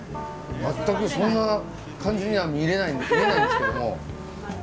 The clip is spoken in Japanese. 全くそんな感じには見えないんですけども。